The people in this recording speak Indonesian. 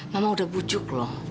mama udah bujuk loh